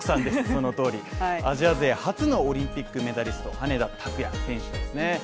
その通りアジア勢初のオリンピックメダリスト羽根田卓也選手ですね。